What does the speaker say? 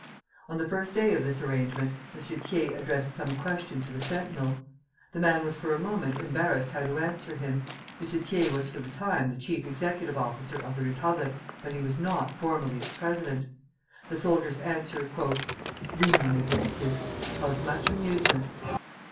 On the first day of this arrangement, M. Thiers addressed some question to the sentinel. The man was for a moment embarrassed how to answer him. M. Thiers was for the time the chief executive officer of the Republic, but he was not formally its president. The soldier's answer, "Oui, mon Exécutif," caused much amusement.